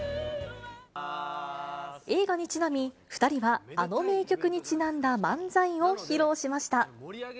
映画にちなみ、２人はあの名曲にちなんだ漫才を披露しました。